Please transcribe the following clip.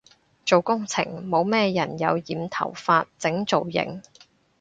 做工程冇乜人有染頭髮整造型